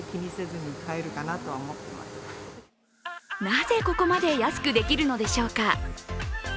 なぜ、ここまで安くできるのでしょうか。